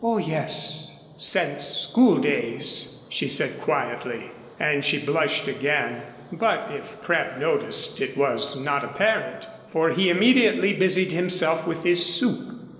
"Oh, yes since school days," she said, quietly. And she blushed again, but if Crabb noticed, it was not apparent, for he immediately busied himself with his soup.